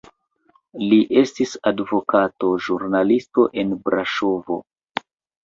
Li estis advokato, ĵurnalisto en Braŝovo.